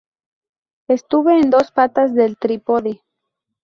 Estuve en dos patas del trípode.